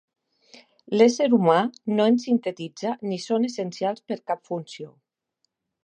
L'ésser humà no en sintetitza ni són essencials per cap funció.